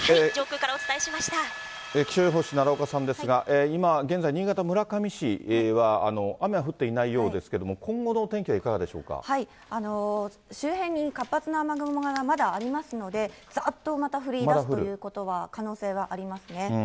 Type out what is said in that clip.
気象予報士、奈良岡さんですが、今、現在、新潟・村上市は、雨は降っていないようですけれども、今後の天気周辺に活発な雨雲がまだありますので、ざっとまた降りだすということは、可能性はありますね。